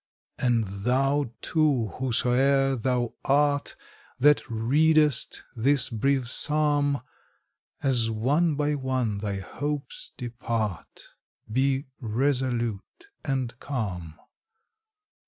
And thou, too, whosoe'er thou art, That readest this brief psalm, As one by one thy hopes depart, Be resolute and calm.